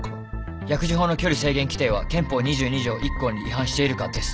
薬事法の距離制限規定は憲法２２条１項に違反しているか？です。